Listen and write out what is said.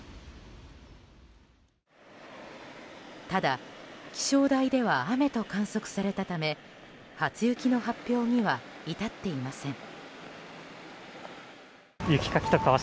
ただ、気象台では雨と観測されたため初雪の発表には至っていません。